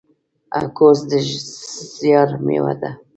کورس د زیار میوه ده.